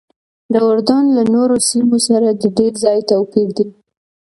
د اردن له نورو سیمو سره ددې ځای توپیر دی.